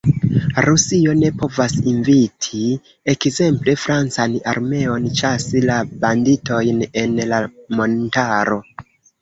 Rusio ne povas inviti ekzemple francan armeon ĉasi la banditojn en la montaro.